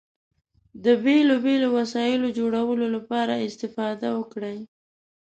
د بېلو بېلو وسایلو جوړولو لپاره استفاده وکړئ.